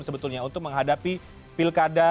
sebetulnya untuk menghadapi pilkada